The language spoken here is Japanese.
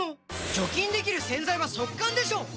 除菌できる洗剤は速乾でしょ！